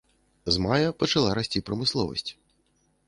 З мая пачала расці прамысловасць.